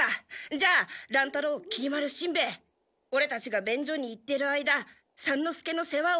じゃあ乱太郎きり丸しんべヱオレたちが便所に行っている間三之助の世話をたのむ！